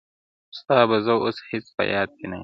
• خو ستا به زه اوس هيڅ په ياد كي نه يم.